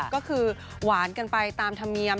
ก็คือหวานกันไปตามธรรมเนียม